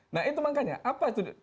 nah itu makanya apa itu